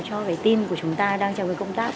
cho cái team của chúng ta đang trong công tác